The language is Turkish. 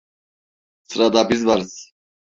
Sırada biz varız.